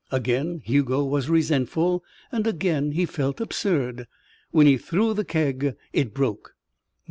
Again Hugo was resentful and again he felt absurd. When he threw the keg, it broke.